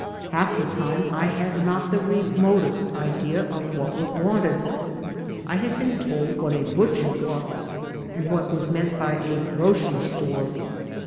Half the time I had not the remotest idea of what was wanted. I had been told what a butcher was and what was meant by a grocery store.